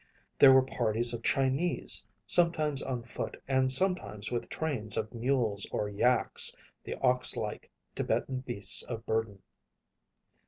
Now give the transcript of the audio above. There were parties of Chinese, sometimes on foot and sometimes with trains of mules or yaks, the oxlike Tibetan beasts of burden.